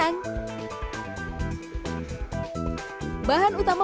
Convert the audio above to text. bahan utama pembuatan rengginang ini adalah rengginang